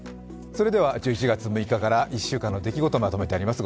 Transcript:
それでは１１月６日から１週間の出来事をまとめてあります。